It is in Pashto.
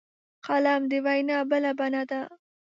قلم د وینا بله بڼه ده